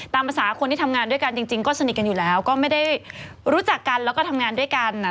ตามภาษาคนที่ทำงานด้วยกันจริงก็สนิทกันอยู่แล้วก็ไม่ได้รู้จักกันแล้วก็ทำงานด้วยกัน